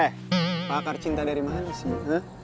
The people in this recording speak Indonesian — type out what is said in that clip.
eh pakar cinta dari mana sih